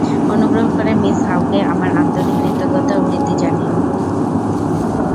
অনুগ্রহ করে মিস হাউকে আমার আন্তরিক কৃতজ্ঞতা ও প্রীতি জানিও।